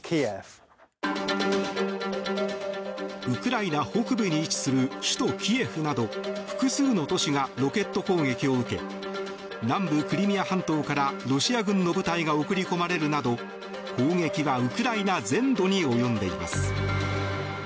ウクライナ北部に位置する首都キエフなど複数の都市がロケット攻撃を受け南部クリミア半島からロシア軍の部隊が送り込まれるなど攻撃はウクライナ全土に及んでいます。